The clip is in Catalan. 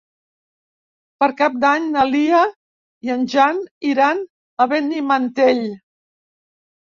Per Cap d'Any na Lia i en Jan iran a Benimantell.